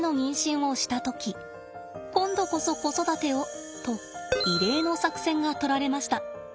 今度こそ子育てをと異例の作戦がとられました。